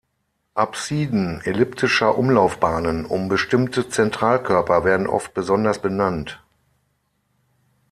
Apsiden elliptischer Umlaufbahnen um bestimmte Zentralkörper werden oft besonders benannt.